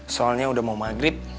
soalnya udah mau maghrib